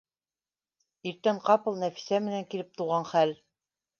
Иртән ҡапыл Нәфисә менән килеп тыуған хәл